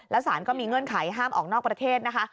แล้วสารก็มีเงื่อนไขห้ามออกนอกประเทศนะคะ